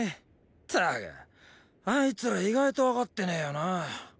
ったくあいつら意外と分かってねーよなーお前のこと。